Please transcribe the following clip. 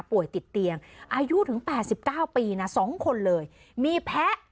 ป่วยติดเตียงอายุถึงแปดสิบเก้าปีน่ะสองคนเลยมีแพ้